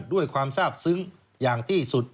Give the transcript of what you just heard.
ด้วยความทราบซึ้งอย่างที่สุด